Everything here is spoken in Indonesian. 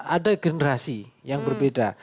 ada generasi yang berbeda